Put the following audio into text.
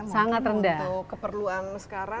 sangat rendah ya untuk keperluan sekarang